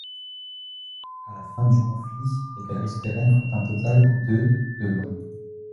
À la fin du conflit, les galeries souterraines font un total de de long.